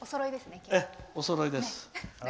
おそろいですね。